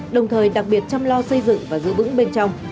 đồng thời đặc biệt chăm lo xây dựng và giữ vững bên trong